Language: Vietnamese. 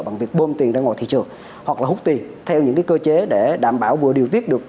bằng việc bơm tiền ra ngoài thị trường hoặc là hút tiền theo những cơ chế để đảm bảo vừa điều tiết được